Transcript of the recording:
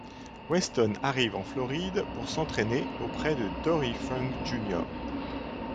Weston arrive en Floride pour s'entraîner auprès de Dory Funk Jr.